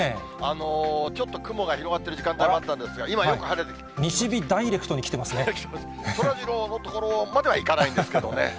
ちょっと雲が広がってる時間帯もあったんですが、今、よく晴れて西日、そらジローの所まではいかないんですけどね。